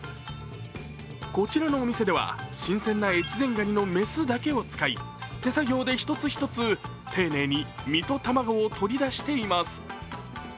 こちらのお店では新鮮な越前ガニの雌だけを使い、手作業で１つ１つ丁寧に身と卵を取り出しています。